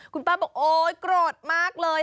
คุณป้าบอกโอ๊ยโกรธมากเลย